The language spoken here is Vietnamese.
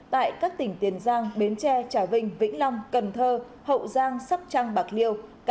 tại các tỉnh tiền giang bến tre trà vinh vĩnh long cần thơ hậu giang sắp trăng bạc lý